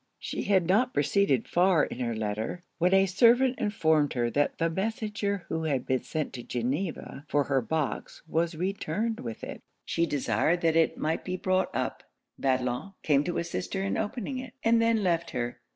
She had not proceeded far in her letter, when a servant informed her that the messenger who had been sent to Geneva for her box was returned with it. She desired that it might be brought up. Madelon came to assist her in opening it, and then left her.